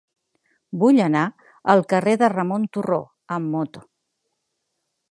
Vull anar al carrer de Ramon Turró amb moto.